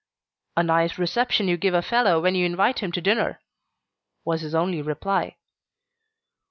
"A nice reception you give a fellow when you invite him to dinner," was his only reply.